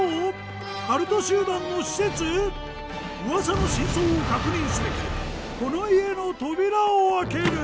噂の真相を確認すべくこの家の扉を開ける。